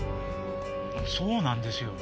そうなんですよ。